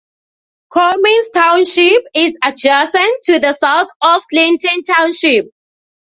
Comins Township is adjacent to the south of Clinton Township.